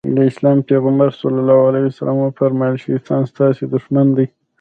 د اسلام پيغمبر ص وفرمايل شيطان ستاسې دښمن دی.